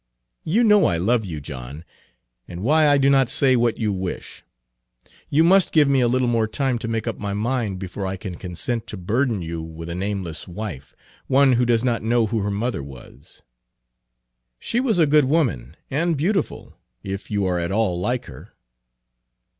"You know I love you, John, and why I do not say what you wish. You must give me a little more time to make up my mind before I can consent to burden you with a nameless wife, one who does not know who her mother was" "She was a good woman, and beautiful, if you are at all like her."